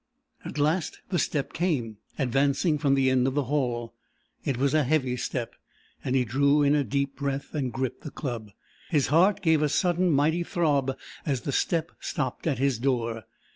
At last the step came, advancing from the end of the hall. It was a heavy step, and he drew a deep breath and gripped the club. His heart gave a sudden, mighty throb as the step stopped at his door.